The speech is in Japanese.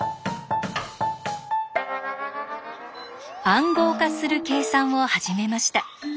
暗号化する計算を始めました。